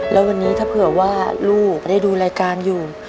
แล้ววันนี้ถ้าเผื่อว่าลูกได้ดูรายการอยู่